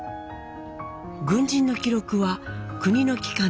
軍人の記録は国の機関で保存。